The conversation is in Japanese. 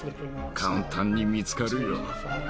簡単に見つかるよ。